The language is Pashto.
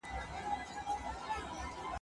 زدهکړي د مور او ماشوم د مړیني کچه راټیټوي.